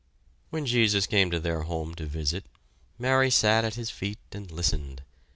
When Jesus came to their home to visit, Mary sat at his feet and listened.